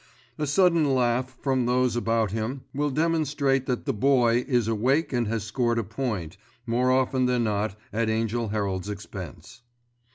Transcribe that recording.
A sudden laugh from those about him will demonstrate that the Boy is awake and has scored a point, more often than not at Angell Herald's expense.